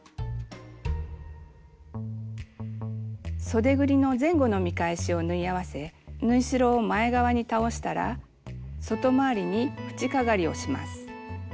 そでぐりの前後の見返しを縫い合わせ縫い代を前側に倒したら外回りに縁かがりをします。